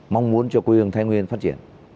mong muốn cho quê hương thái nguyên phát triển